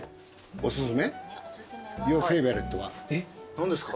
何ですか？